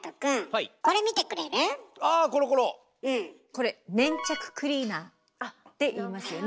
これ「粘着クリーナー」っていいますよね。